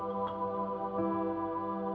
gak ada yang bisa dihukum